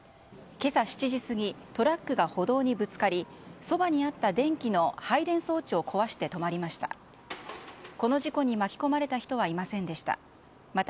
今朝７時過ぎトラックが歩道にぶつかりそばにあった電気の配電装置を壊して止まりました。